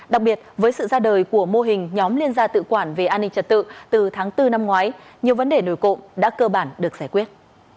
đặc biệt với sự ra đời của mô hình nhóm liên gia tự quản về an ninh trật tự từ tháng bốn năm ngoái nhiều vấn đề nổi cộng đã cơ bản được giải quyết